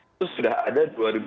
itu sudah ada dua ribu sembilan